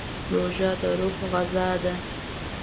روژه د روح غذا ده.